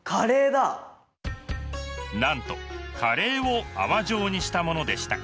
なんとカレーを泡状にしたものでした。